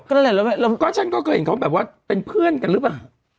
ก็ฉันก็เคยเห็นเค้าแบบว่าเป็นเพื่อนกันรึปะ